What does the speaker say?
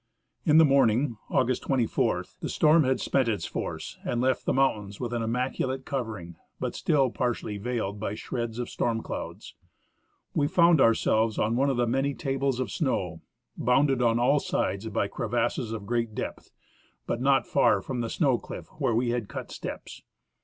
In the morning, August 24, the storm had spent its force and left the mountains with an immaculate covering, but still par tially veiled by shreds of storm clouds. We found ourselves on one of the many tables of snow, bounded on all sides by crevasses of great depth, but not far from the snow cliff where we had cut steps.